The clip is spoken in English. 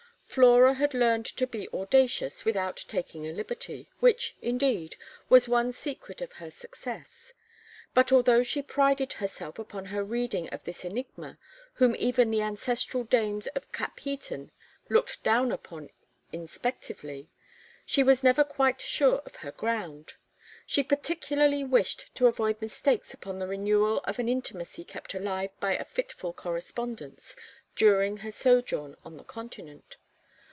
Flora had learned to be audacious without taking a liberty, which, indeed, was one secret of her success; but although she prided herself upon her reading of this enigma, whom even the ancestral dames of Capheaton looked down upon inspectively, she was never quite sure of her ground. She particularly wished to avoid mistakes upon the renewal of an intimacy kept alive by a fitful correspondence during her sojourn on the Continent.